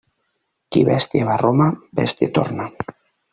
Qui bèstia va a Roma, bèstia torna.